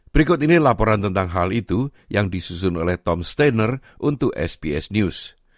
berikut ini laporan tentang hal itu yang disusun oleh tom stainer untuk sps news